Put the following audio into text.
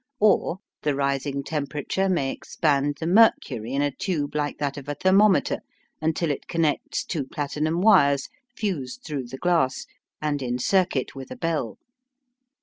Or, the rising temperature may expand the mercury in a tube like that of a thermometer until it connects two platinum wires fused through the glass and in circuit with a bell.